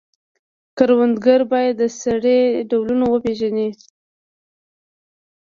کروندګر باید د سرې ډولونه وپیژني.